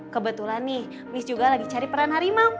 kebetulan nih miss juga lagi cari peran harimau